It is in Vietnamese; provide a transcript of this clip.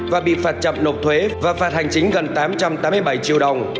và bị phạt chậm nộp thuế và phạt hành chính gần tám trăm tám mươi bảy triệu đồng